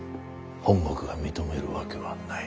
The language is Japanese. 本国が認めるわけはない。